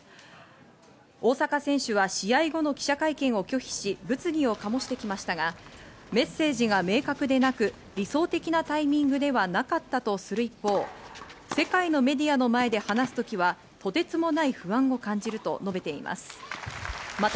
大坂選手は試合後の記者会見を拒否し物議を醸してきましたが、メッセージが明確でなく理想的なタイミングではなかったとする一方、世界のメディアの前で話す時はとてつもない不安を感じると述べています。